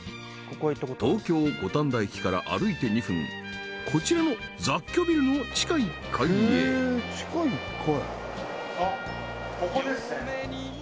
東京五反田駅から歩いて２分こちらの雑居ビルの地下１階へあっここですね